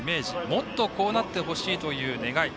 もっとこうなってほしいという願い。